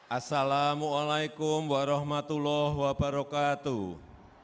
assalamu'alaikum warahmatullahi wabarakatuh